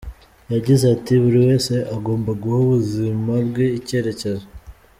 Yagize ati “Buri wese agomba guha ubuzima bwe icyerekezo.